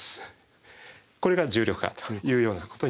これが重力波というようなことになります。